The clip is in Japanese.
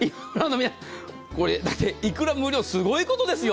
これだけ、いくら無料、すごいことですよ。